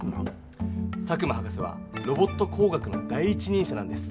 佐久間博士はロボット工学の第一人者なんです。